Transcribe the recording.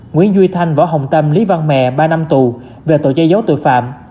nguyễn duy thanh võ hồng tâm lý văn mẹ ba năm tù về tội che giấu tội phạm